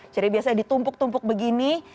jadi biasanya ditumpuk tumpuk begini